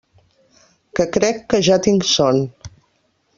Que crec que ja tinc son.